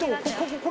これ。